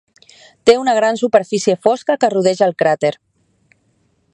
Té una gran superfície fosca que rodeja el cràter.